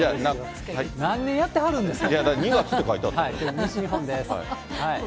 何年やってはるんですか。